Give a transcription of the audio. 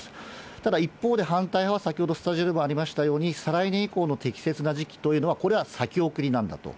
ただ一方で、反対派は先ほどスタジオでもありましたように、再来年以降の適切な時期というのは、これは先送りなんだと。